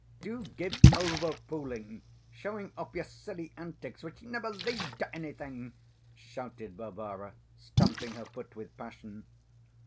"Do give over fooling, showing off your silly antics which never lead to anything!" shouted Varvara, stamping her foot with passion.